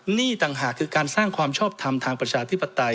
ต่างหากคือการสร้างความชอบทำทางประชาธิปไตย